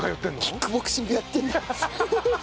キックボクシングやってるんだ！